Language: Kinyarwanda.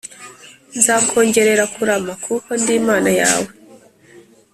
nzakongerera kurama kuko ndi mana yawe